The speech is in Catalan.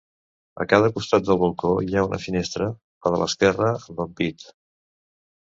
A cada costat del balcó, hi ha una finestra, la de l'esquerra amb ampit.